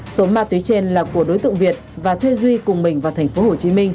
số ma túy trên là của đối tượng việt và thuê duy cùng mình vào tp hcm